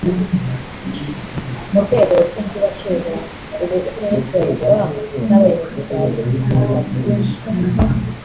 mu rwego rw’inzibacyuho ubu uturere turayoborwa n’abayobozi twari dusanganywe